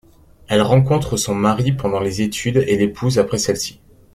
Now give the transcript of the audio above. Elle rencontre son mari pendant les études et l'épouse après celle-ci.